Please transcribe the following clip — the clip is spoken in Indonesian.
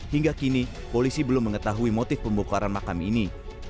hingga kini polisi belum mengetahui motif pembongkaran makam ini